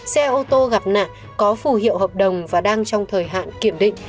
xe ô tô gặp nạn có phù hiệu hợp đồng và đang trong thời hạn kiểm định